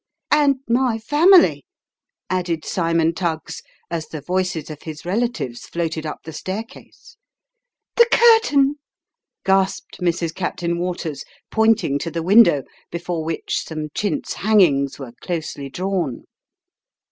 " And my family !" added Cymon Tuggs, as the voices of his relatives floated up the staircase. " The curtain ! The curtain !" gasped Mrs. Captain Waters, point ing to the window, before which some chintz hangings were closely drawn.